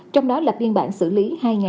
trong đó là biên bản xử lý hai nghìn hai mươi